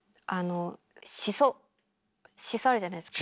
シソあるじゃないですか。